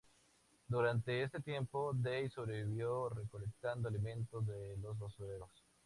Durante este tiempo, Dey sobrevivió recolectando alimentos de los basureros.